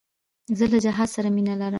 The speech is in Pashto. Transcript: زه له جهاد سره مینه لرم.